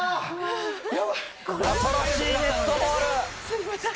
恐ろしいネットボール。